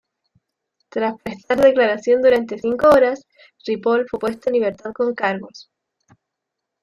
Tras prestar declaración durante cinco horas, Ripoll fue puesto en libertad con cargos.